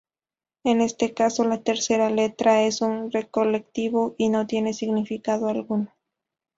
En este caso la tercera letra es un correlativo y no tiene significado alguno.